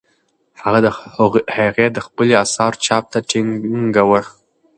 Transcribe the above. هغې د خپلو اثارو چاپ ته ټینګه وه.